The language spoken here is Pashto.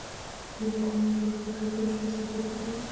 د دوی د اتومونو جوړښت او د الکترونونو شمیر سره توپیر لري